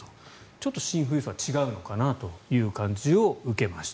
ちょっとシン富裕層は違うのかなという感じを受けました。